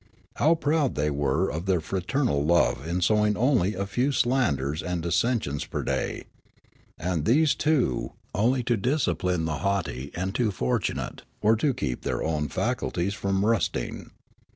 How proud thej^ were of their fraternal love in sowing only a few slanders and dissensions per day, and these, too, onl)^ to discipline the haughty and too fortunate, or to keep their own faculties from rusting